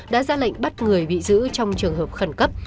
đã ra lệnh bắt người bị giữ trong trường hợp khẩn cấp